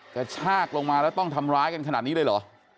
กระชากลงมาแล้วต้องทำร้ายกันขนาดนี้เลยเหรอ